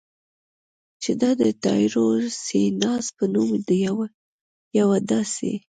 چې دا د ټایروسیناز په نوم د یوه داسې